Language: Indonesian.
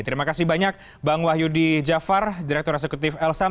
terima kasih banyak bang wahyudi jafar direktur eksekutif elsam